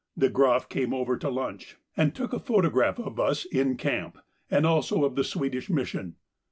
De Groff came over to lunch and took a photograph of us 'in camp,' and also of the Swedish Mission.